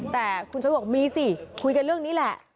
แต่คุณชุวิตบอกมีสิคุยกันเรื่องนี้แหละ